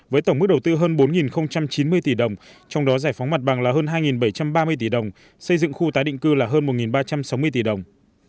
với tổng mức đầu tư hơn bốn chín mươi tỷ đồng trong đó giải phóng mặt bằng là hơn hai bảy trăm ba mươi tỷ đồng xây dựng khu tái định cư là hơn một ba trăm sáu mươi tỷ đồng